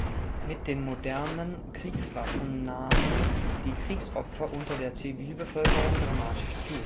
Mit den modernen Kriegswaffen nahmen die Kriegsopfer unter der Zivilbevölkerung dramatisch zu.